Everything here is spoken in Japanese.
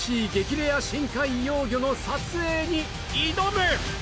レア深海幼魚の撮影に挑む！